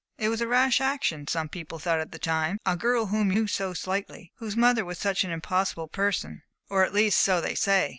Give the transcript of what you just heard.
"It was a rash action, some people thought at the time. A girl whom you knew so slightly, whose mother was such an impossible person or at least, so they say.